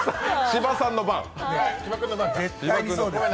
芝さんの番！